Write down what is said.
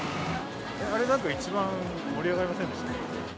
あれなんか一番盛り上がりませんでした？